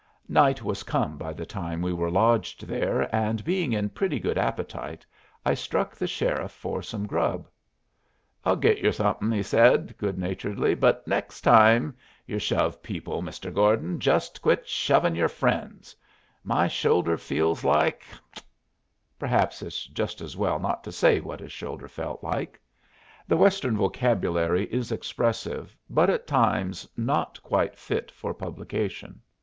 Night was come by the time we were lodged there, and, being in pretty good appetite, I struck the sheriff for some grub. "I'll git yer somethin'," he said, good naturedly; "but next time yer shove people, Mr. Gordon, just quit shovin' yer friends. My shoulder feels like " perhaps it's just as well not to say what his shoulder felt like. The Western vocabulary is expressive, but at times not quite fit for publication.